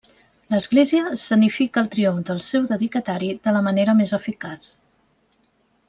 L'església escenifica el triomf del seu dedicatari de la manera més eficaç.